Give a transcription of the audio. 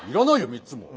３つも。